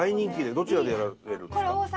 どちらでやられるんですか？